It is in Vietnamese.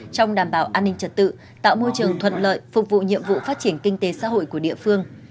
trong đảm bảo an ninh trật tự tạo môi trường thuận lợi phục vụ nhiệm vụ phát triển kinh tế xã hội của địa phương